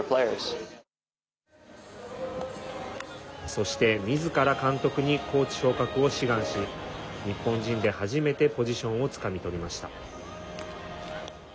そして、みずから監督にコーチ昇格を志願し日本人で初めてポジションをつかみ取りました。